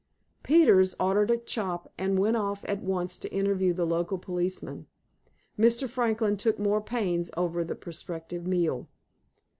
Peters ordered a chop, and went off at once to interview the local policeman. Mr. Franklin took more pains over the prospective meal.